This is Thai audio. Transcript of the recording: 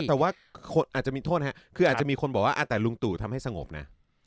แต่ว่าจะมีคนบอกว่าอาจจะมีคนบอกว่ารุงตู่ทำให้สงบนะ